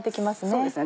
そうですね